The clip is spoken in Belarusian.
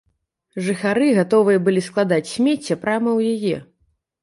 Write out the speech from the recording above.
Жыхары гатовыя былі складаць смецце прама ў яе.